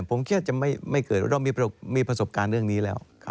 ผมเชื่อจะไม่เกิดเรามีประสบการณ์เรื่องนี้แล้ว